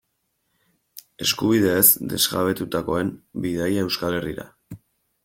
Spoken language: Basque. Eskubideez desjabetutakoen bidaia Euskal Herrira.